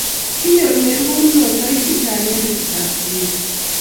Kinyor Mary konunotoik chechang eng betutap sigenyi